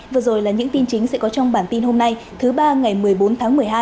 vừa rồi là những tin chính sẽ có trong bản tin hôm nay thứ ba ngày một mươi bốn tháng một mươi hai